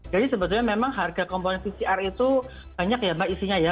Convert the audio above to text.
jadi sebetulnya memang harga komponen pcr itu banyak ya mbak isinya ya